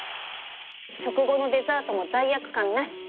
食後のデザートも罪悪感なし